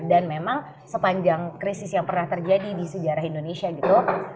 dan memang sepanjang krisis yang pernah terjadi di sejarah indonesia gitu